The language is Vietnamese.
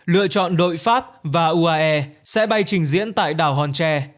lựa chọn đội pháp và uae sẽ bay trình diễn tại đảo hòn tre